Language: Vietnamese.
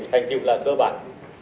hành tiêu là cơ bản